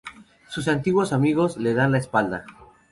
Sus antiguos amigos le dan la espalda.